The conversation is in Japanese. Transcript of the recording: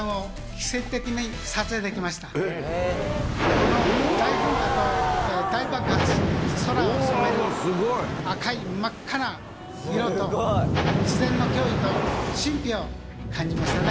この大噴火と大爆発空を染める赤い真っ赤な色と自然の驚異と神秘を感じますね。